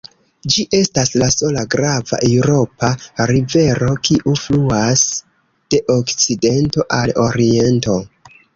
Ĝi estas la sola grava eŭropa rivero, kiu fluas de okcidento al oriento.